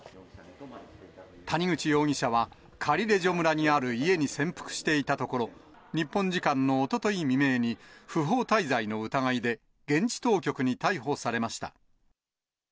谷口容疑者は、カリレジョ村にある家に潜伏していたところ、日本時間のおととい未明に、不法滞在の疑いで現地当局に逮捕されました。